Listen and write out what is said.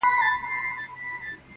وړونه مي ټول د ژوند پر بام ناست دي.